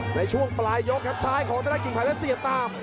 ในช่วงปลายยกครับซ้ายของธนกิ่งไผ่แล้วเสียบตาม